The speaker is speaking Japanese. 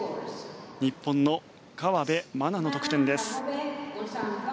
日本の河辺愛菜の得点です。